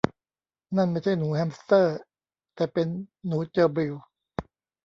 นั่นไม่ใช่หนูแฮมสเตอร์ แต่เป็นหนูเจอร์บิล